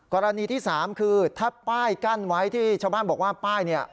กรณีที่สามคือถ้าป้ายกั้นไว้ที่ชาวบ้านบอกว่าป้ายเนี่ย